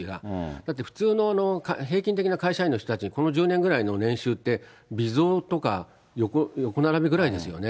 だって、普通の平均的な会社員の人たち、この１０年ぐらいの年収って、微増とか、横並びぐらいですよね。